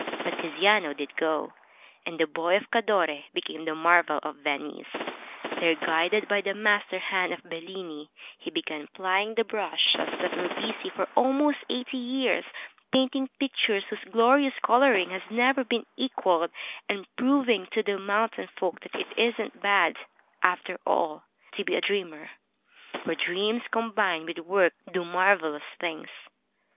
But Tiziano did go, and the boy of Cadore became the marvel of Venice. There, guided by the master hand of Bellini, he began plying the brushes that were busy for almost eighty years, painting pictures whose glorious coloring has never been equaled, and proving to the mountain folk that it isn't bad, after all, to be a dreamer, for dreams com 282 THE TREASURE CHEST bined with work do marvelous things.